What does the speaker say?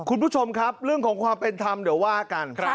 คุณผู้ชมครับเรื่องของความเป็นธรรมเดี๋ยวว่ากัน